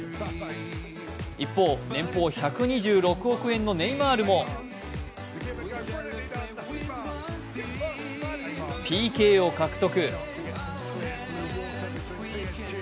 一方、年俸１２６億円のネイマールもＰＫを獲得。